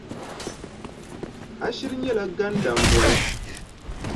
A shiri nyɛla gandammoli.